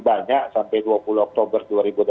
banyak sampai dua puluh oktober